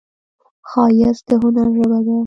ښایست د هنر ژبه ده